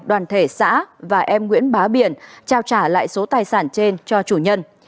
đoàn thể xã và em nguyễn bá biển trao trả lại số tài sản trên cho chủ nhân